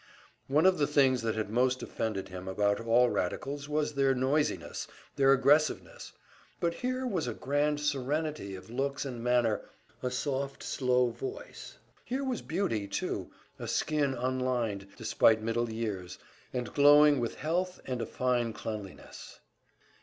One of the things that had most offended him about all radicals was their noisiness, their aggressiveness; but here was a grand serenity of looks and manner, a soft, slow voice here was beauty, too, a skin unlined, despite middle years, and glowing with health and a fine cleanness.